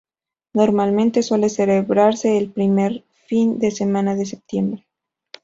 Normalmente, suele celebrarse el primer fin de semana de septiembre.